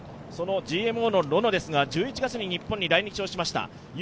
そのＧＭＯのロノですが１１月に日本に来日しました。